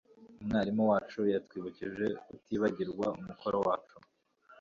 Umwarimu wacu yatwibukije kutibagirwa umukoro wacu